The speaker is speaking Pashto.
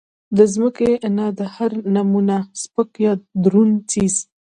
د زمکې نه د هر نمونه سپک يا درون څيز